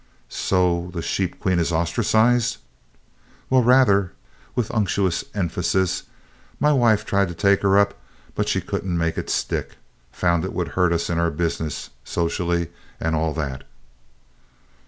"So the Sheep Queen is ostracized?" "Well rather!" with unctuous emphasis. "My wife tried to take her up but she couldn't make it stick. Found it would hurt us in our business, socially, and all that."